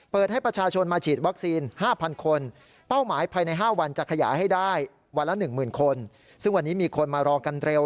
เปิดให้ประชาชนมาฉีดวัคซีน๕๐๐๐คน